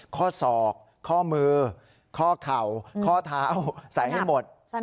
ข้อศอกข้อมือข้อเข่าข้อเท้าใส่ให้หมด